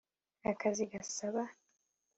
akazi gasaba